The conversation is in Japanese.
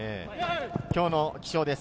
今日の気象です。